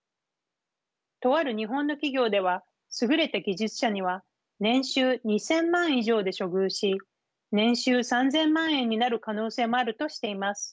とある日本の企業では優れた技術者には年収２，０００万円以上で処遇し年収３，０００万円になる可能性もあるとしています。